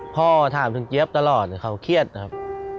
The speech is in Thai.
พ่อถามถึงเจี๊ยบตลอดเขาเครียดนะครับ